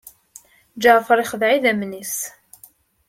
Ǧaɛfeṛ ixdeɛ idammen-is.